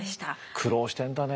苦労してんだね。